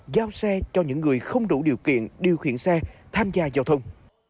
giao xe cho những người không đủ điều kiện điều khiển xe tham gia giao thông